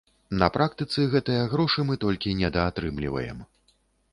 На практыцы гэтыя грошы мы толькі недаатрымліваем.